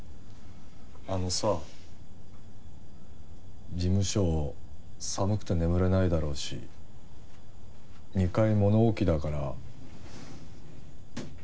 あのさ事務所寒くて眠れないだろうし２階物置だからここ使って。